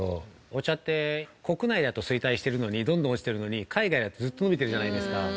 お茶って、国内だと衰退してるのにどんどん落ちてるのに海外だとずっと伸びてるじゃないですか。